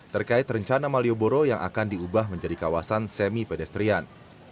terkait rencana malioboro yang akan diubah menjadi kawasan semi pedestrian